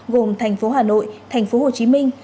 gồm thành phố hà nội thành phố hồ chí minh